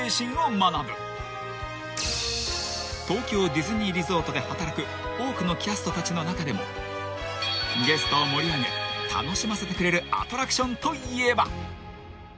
［東京ディズニーリゾートで働く多くのキャストたちの中でもゲストを盛り上げ楽しませてくれるアトラクションといえば］